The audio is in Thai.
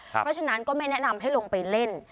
เพราะฉะนั้นก็ไม่แนะนำให้ลงไปเล่น